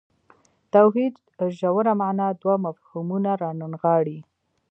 توحید ژوره معنا دوه مفهومونه رانغاړي.